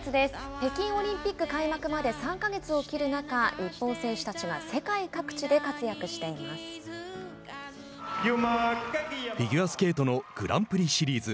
北京オリンピック開幕まで３か月を切る中日本選手たちが世界各地でフィギュアスケートのグランプリシリーズ。